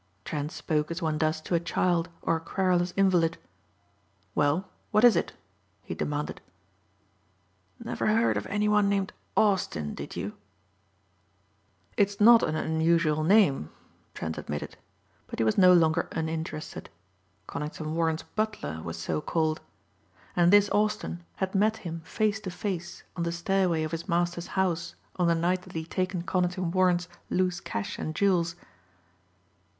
Trent spoke as one does to a child or a querulous invalid. "Well, what is it?" he demanded. "Never heard of any one named Austin, did you?" "It's not an unusual name," Trent admitted. But he was no longer uninterested. Conington Warren's butler was so called. And this Austin had met him face to face on the stairway of his master's house on the night that he had taken Conington Warren's loose cash and jewels.